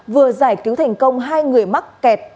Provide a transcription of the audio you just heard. vừa giải cứu thành công hai người mắc kẹt